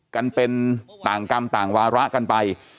กันเป็นต่างกรรมต่างวาระกันไป